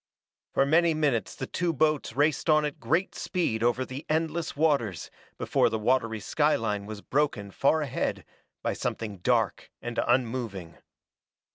For many minutes the two boats raced on at great speed over the endless waters before the watery skyline was broken far ahead by something dark and unmoving.